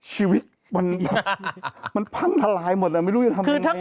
ชีวิตปั๊นทรายหมดละรึไม่้รู้จะทำอย่างไร